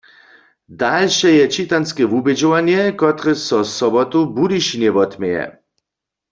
Dalše je čitanske wubědźowanje, kotrež so sobotu w Budyšinje wotměje.